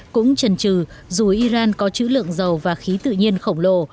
cũng trần trừ dù iran có chữ lượng dầu và khí tự nhiên khổng lồ